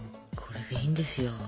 これでいいんですよ。